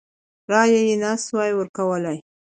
رایه یې نه سوای ورکولای.